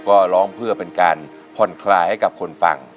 ก็ร้องเพื่อเป็นการผ่อนคลายให้กับคนฟัง